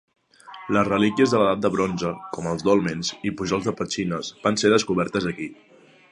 Les relíquies de l'Edat de Bronze, com els dòlmens i pujols de petxines, van ser descobertes aquí.